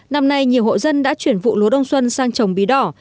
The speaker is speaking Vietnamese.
năm nay nhiều hộ dân đã chuyển vụ lúa đông xuân sang trồng bí đỏ